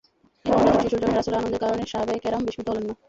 এ নবজাত শিশুর জন্মে রাসূলের আনন্দের কারণে সাহাবায়ে কেরাম বিস্মিত হলেন না।